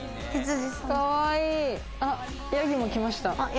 ヤギも来ました。